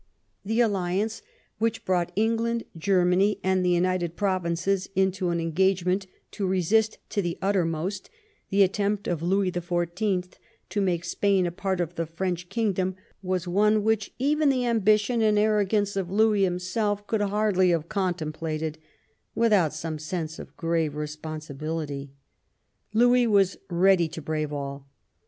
The alliance which brought England, Ger 47 X THE REIGN OF QUEEN ANNE many, and the United Provinces into an engagement to resist to the uttermost the attempt of Louis the Fourteenth to make Spain a part of the French king dom was one which even the ambition and arrogance of Louis himself could hardly have contemplated with out some sense of grave responsibility. Louis was ready to brave all.